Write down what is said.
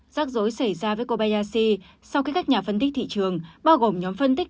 giác dối xảy ra với kobayashi sau khi các nhà phân tích thị trường bao gồm nhóm phân tích